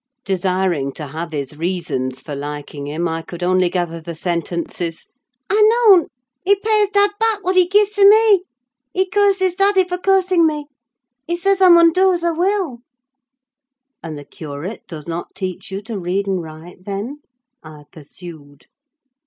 Desiring to have his reasons for liking him, I could only gather the sentences—"I known't: he pays dad back what he gies to me—he curses daddy for cursing me. He says I mun do as I will." "And the curate does not teach you to read and write, then?" I pursued.